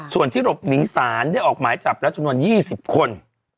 ส่วนที่หลบหนีศาลได้ออกหมายจับแล้วจำนวน๒๐คน